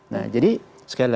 nah jadi sekali lagi